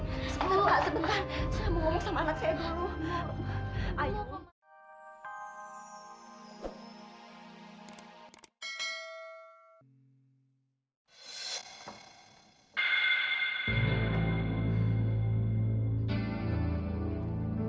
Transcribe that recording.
sini balikin balikin